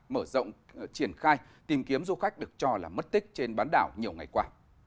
mở rộng triển khai tìm kiếm du khách được cho là mất tích trên bán đảo nhiều ngày qua